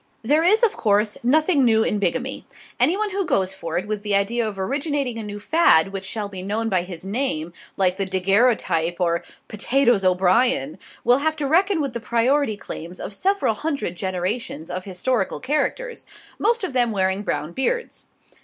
There is, of course, nothing new in bigamy. Anyone who goes in for it with the idea of originating a new fad which shall be known by his name, like the daguerreotype or potatoes O'Brien, will have to reckon with the priority claims of several hundred generations of historical characters, most of them wearing brown beards.